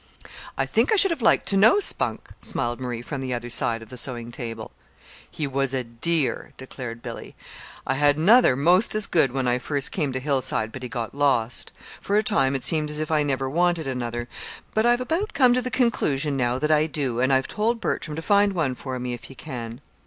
"I think I should have liked to know Spunk," smiled Marie from the other side of the sewing table. "He was a dear," declared Billy. "I had another 'most as good when I first came to Hillside, but he got lost. For a time it seemed as if I never wanted another, but I've about come to the conclusion now that I do, and I've told Bertram to find one for me if he can.